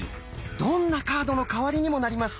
どんなカードの代わりにもなります。